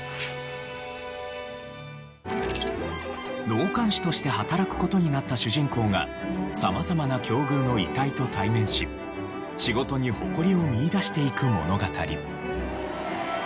納棺師として働く事になった主人公が様々な境遇の遺体と対面し仕事に誇りを見いだしていく物語。